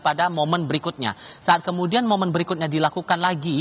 pada momen berikutnya saat kemudian momen berikutnya dilakukan lagi